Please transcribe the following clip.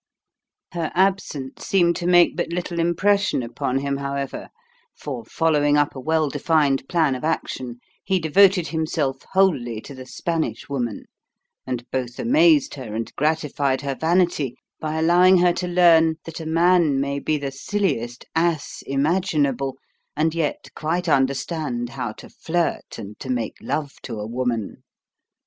Her absence seemed to make but little impression upon him, however; for, following up a well defined plan of action, he devoted himself wholly to the Spanish woman, and both amazed her and gratified her vanity by allowing her to learn that a man may be the silliest ass imaginable and yet quite understand how to flirt and to make love to a woman.